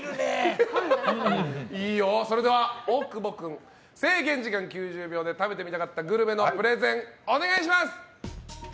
それでは大久保君制限時間９０秒で食べてみたかったグルメのプレゼン、お願いします。